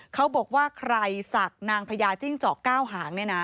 เขาบอกว่าใครศักดิ์นางพญาจิ้งจอกเก้าหางเนี่ยนะ